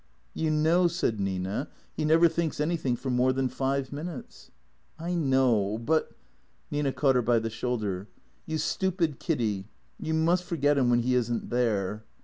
" You know," said Nina, " he never thinks anything for more than five minutes." " I know — but " Nina caught her by the shoulder. "You stupid Kiddy, you miist forget him when he is n't there."